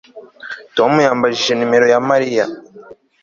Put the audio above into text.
Tom yambajije nimero ya Mariya